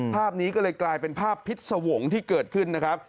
ภาพนี้ก็เลยกลายเป็นภาพพิษสวงที่เกิดขึ้นนะครับ